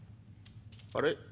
あれ？